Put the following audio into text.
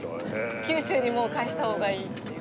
九州にもう帰した方がいいっていう。